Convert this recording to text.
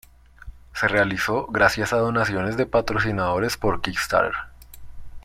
Se realizó gracias a donaciones de patrocinadores por Kickstarter.